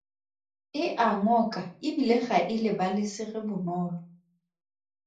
E a ngoka e bile ga e lebalesege bonolo.